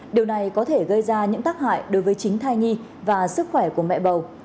điều này có thể gây ra những tác hại đối với chính thai nhi và sức khỏe của mẹ bầu